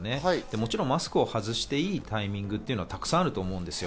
もちろんマスクを外していいタイミングっていうのはたくさんあると思うんですよ。